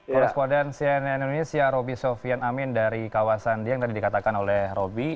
korespondensi ann indonesia roby sofian amin dari kawasan dieng yang tadi dikatakan oleh roby